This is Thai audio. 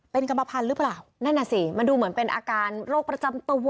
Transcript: เป็นกรรมพันธุ์หรือเปล่านั่นน่ะสิมันดูเหมือนเป็นอาการโรคประจำตัว